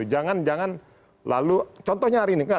jangan jangan lalu contohnya hari ini